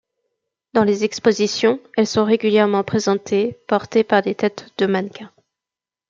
Dans les expositions, elles sont régulièrement présentées portées par des têtes de mannequins.